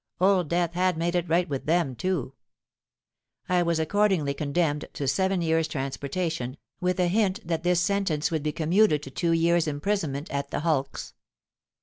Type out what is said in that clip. Old Death had made it right with them too. I was accordingly condemned to seven years' transportation, with a hint that this sentence would be commuted to two years' imprisonment at the hulks.